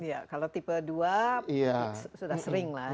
ya kalau tipe dua sudah sering lah